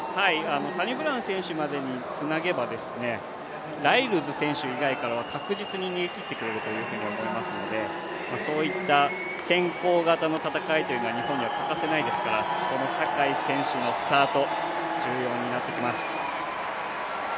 サニブラウン選手までにつなげばライルズ選手以外からは確実に逃げ切ってくれるというふうに思いますのでそういった先行型の戦いというのが日本には欠かせないですから、坂井選手のスタート、重要になってきます。